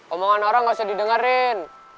omongan orang gak usah didengerin